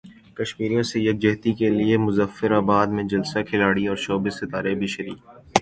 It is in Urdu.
کشمیریوں سے یکجہتی کیلئے مظفر اباد میں جلسہ کھلاڑی اور شوبز ستارے بھی شریک